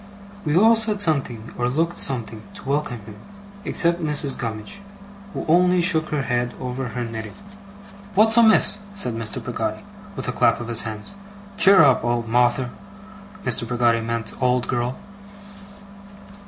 We all said something, or looked something, to welcome him, except Mrs. Gummidge, who only shook her head over her knitting. 'What's amiss?' said Mr. Peggotty, with a clap of his hands. 'Cheer up, old Mawther!' (Mr. Peggotty meant old girl.)